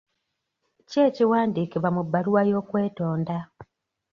Ki ekiwandiikibwa mu bbaluwa y'okwetonda?